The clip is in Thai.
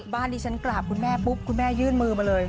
บ้านที่ฉันกราบคุณแม่ปุ๊บคุณแม่ยื่นมือมาเลย